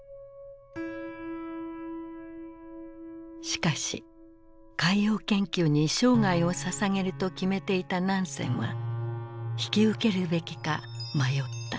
しかし海洋研究に生涯をささげると決めていたナンセンは引き受けるべきか迷った。